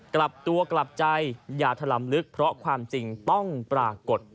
กลับตัวกลับใจอย่าถลำลึกเพราะความจริงต้องปรากฏ